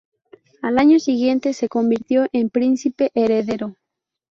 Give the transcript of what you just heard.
Al año siguiente, se convirtió en príncipe heredero.